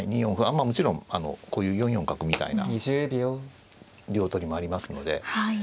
ああもちろんこういう４四角みたいな両取りもありますので。